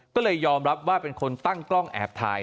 ก็เลยยอมรับว่าเป็นคนตั้งกล้องแอบถ่าย